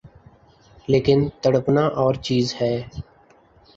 لیکن تڑپنا اورچیز ہے۔